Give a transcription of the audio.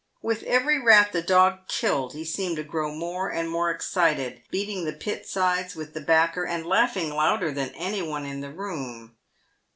"With every rat the dog killed he seemed to grow more and more ex cited, beating the pit sides with the backer, and laughing louder than any one in the room.